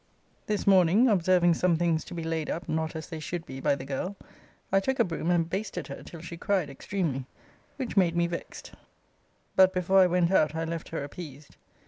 This morning, observing some things to be laid up not as they should be by the girl, I took a broom and basted her till she cried extremely, which made me vexed, but before I went out I left her appeased.